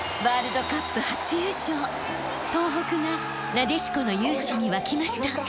東北がなでしこの雄姿に沸きました。